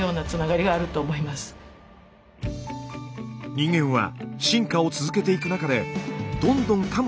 人間は進化を続けていく中でどんどんかむ